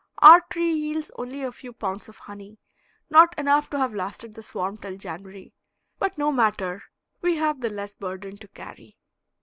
Our tree yields only a few pounds of honey, not enough to have lasted the swarm till January, but no matter; we have the less burden to carry.